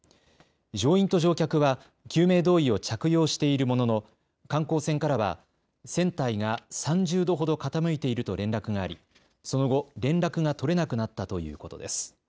乗員と乗客は救命胴衣を着用しているものの、観光船からは船体が３０度ほど傾いていると連絡があり、その後、連絡が取れなくなったということです。